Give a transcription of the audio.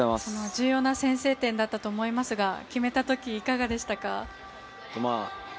重要な先制点だったと思いますが、決めた時いかがでしたか？